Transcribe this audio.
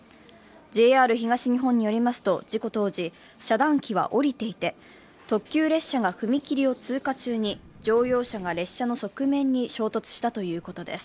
ＪＲ東日本によりますと、事故当時、遮断機は下りていて特急列車が踏切を通過中に、乗用車が列車の側面に衝突したということです。